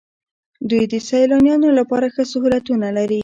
دوی د سیلانیانو لپاره ښه سهولتونه لري.